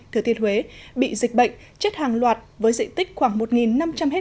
thừa thiên huế bị dịch bệnh chết hàng loạt với diện tích khoảng một năm trăm linh ha